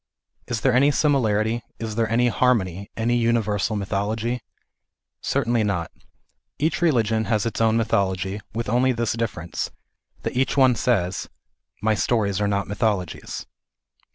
Is there any simi larity, is there any harmony, any universal mythology ? Cer tainly not. Each religion has its own mythology, with only this difference, that each one says " My stories are not mythologies."